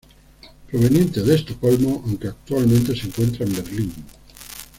Proveniente de Estocolmo, aunque actualmente se encuentra en Berlín.